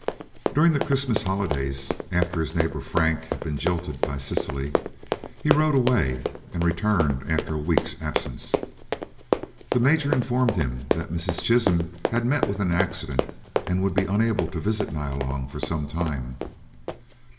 During the Christmas holidays, after his neighbour Frank had been jilted by Cecily, he rode away, and returned after a week's absence. The Major informed him that Mrs. Chisholm had met with an accident and would be unable to visit Nyalong for some time.